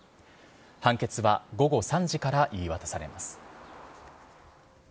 判決は午後３時から言い渡されます。